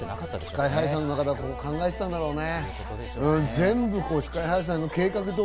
ＳＫＹ−ＨＩさんの中で考えてたんだろうね。